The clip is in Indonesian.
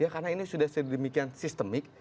karena ini sudah sedemikian sistemik